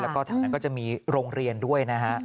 แล้วก็แถวนั้นก็จะมีโรงเรียนด้วยนะฮะ